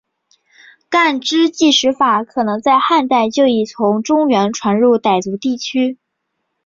干支纪时法可能在汉代就已从中原传入傣族地区。